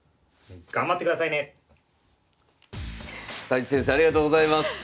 太地先生ありがとうございます。